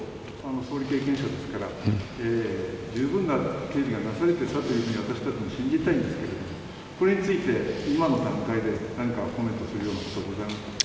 総理経験者ですから十分な警備がなされていたと私たちも信じたいんですがそれについて今の段階で何かコメントするようなことはございますか。